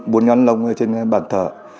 bốn nhón lông ở trên bản thờ